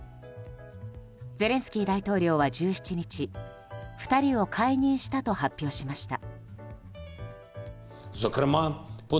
ゼレンスキー大統領は１７日２人を解任したと発表しました。